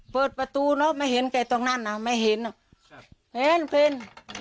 เปิดประตูเนอะไม่เห็นแกตรงนั้นน่ะไม่เห็นเป็น